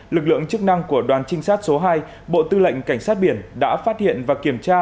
lực lượng chức năng của đoàn trinh sát số hai bộ tư lệnh cảnh sát biển đã phát hiện và kiểm tra